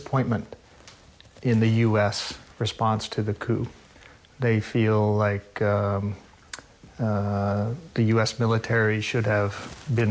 ก็คิดว่านั่นออกมาจากเข้ามหลังสี่ทาง